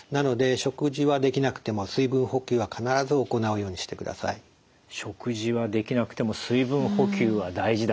食事はできなくても水分補給は大事だ。